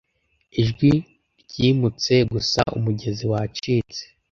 Ijwi ryimutse; gusa umugezi wacitse